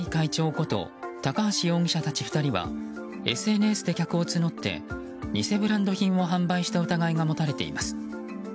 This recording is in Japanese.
こと高橋容疑者たち２人はＳＮＳで客を募って偽ブランド品を販売した疑いが持たれています。